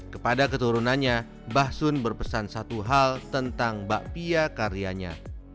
kepada keturunannya basun berpesan satu hal tentang bakpia karyanya